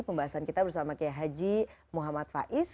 pembahasan kita bersama kiai haji muhammad faiz